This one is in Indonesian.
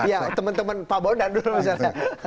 ya teman teman pak bondan dulu misalnya